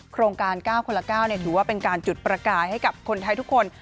โครงการ๙คนละ๙ถือว่าเป็นการจุดประกายให้กับคนไทยทุกคน